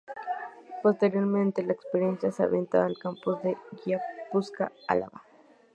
Posteriormente la experiencia se extendió a los campus de Guipúzcoa y Álava.